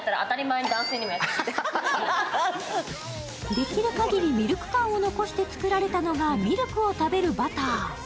できるかぎりミルク感を残して作られたのがミルクを食べるバター。